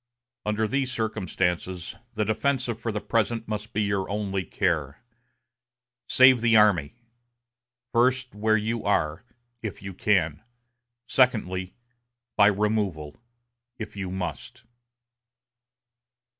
Under these circumstances, the defensive for the present must be your only care. Save the army first, where you are, if you can; secondly, by removal, if you must."